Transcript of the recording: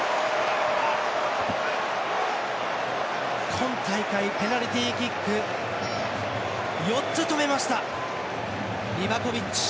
今大会ペナルティーキック４つ止めました、リバコビッチ。